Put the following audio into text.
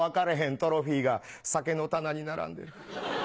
トロフィーが酒の棚に並んでる。